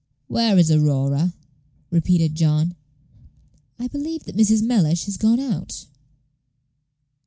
"Where is Aurora?" repeated John. "I believe that Mrs. Mellish has gone out."